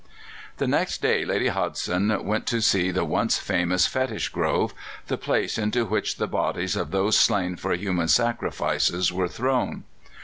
The next day Lady Hodgson went to see the once famous Fetish Grove the place into which the bodies of those slain for human sacrifices were thrown.